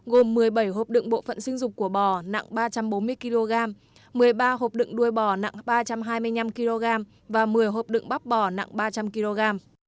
gồm một mươi bảy hộp đựng bộ phận sinh dục của bò nặng ba trăm bốn mươi kg một mươi ba hộp đựng đuôi bò nặng ba trăm hai mươi năm kg và một mươi hộp đựng bóc bò nặng ba trăm linh kg